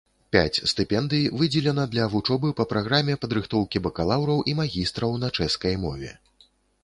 Пяць стыпендый выдзелена для вучобы па праграме падрыхтоўкі бакалаўраў і магістраў на чэшскай мове.